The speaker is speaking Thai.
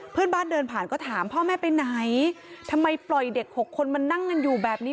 เพื่อนบ้านเดินผ่านก็ถามพ่อแม่ไปไหนทำไมปล่อยเด็ก๖คนมานั่งกันอยู่แบบนี้